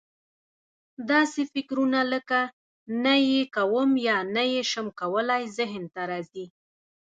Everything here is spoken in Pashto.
داسې فکرونه لکه: نه یې کوم یا نه یې شم کولای ذهن ته راځي.